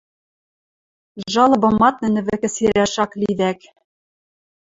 Жалобымат нӹнӹ вӹкӹ сирӓш ак ли вӓк.